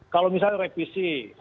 kalau misalnya revisi